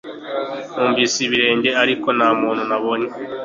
Numvise ibirenge ariko nta muntu nabonye